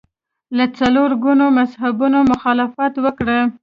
له څلور ګونو مذهبونو مخالفت وکړي